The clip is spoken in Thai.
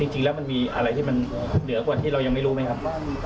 จริงแล้วมันมีอะไรที่มันเหนือกว่าที่เรายังไม่รู้ไหมครับ